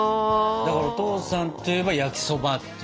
だからお父さんといえば焼きそばっていう。